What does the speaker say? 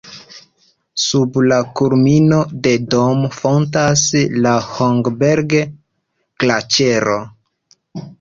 Sub la kulmino de Dom fontas la Hohberg-Glaĉero.